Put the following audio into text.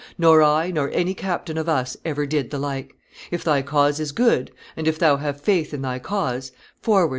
Nor I, nor any captain of us, ever did the like. If thy cause is good, and if thou have faith in thy cause, forward!